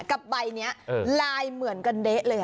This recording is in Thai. กับใบนี้ลายเหมือนกันเด๊ะเลย